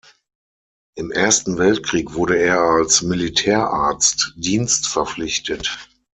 Im Ersten Weltkrieg wurde er als Militärarzt dienstverpflichtet.